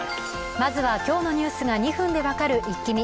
まずは今日のニュースが２分で分かるイッキ見。